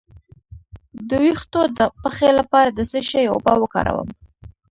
د ویښتو د پخې لپاره د څه شي اوبه وکاروم؟